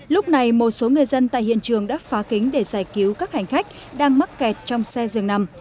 lúc này một số người dân tại hiện trường đã phá kính để giải cứu các hành khách đang mắc kẹt trong xe dường nằm